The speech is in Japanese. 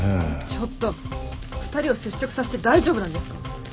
ちょっと２人を接触させて大丈夫なんですか？